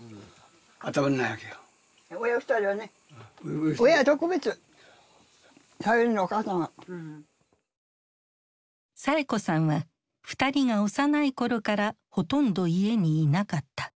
弟にサエ子さんは２人が幼い頃からほとんど家にいなかった。